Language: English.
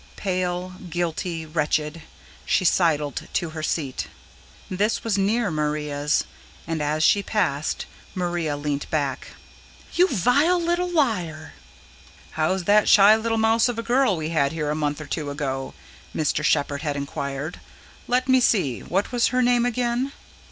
Pale, guilty, wretched, she sidled to her seat. This was near Maria's, and, as she passed, Maria leant back. "You VILE little liar!" "How's that shy little mouse of a girl we had here a month or two ago?" Mr. Shepherd had inquired. "Let me see what was her name again?"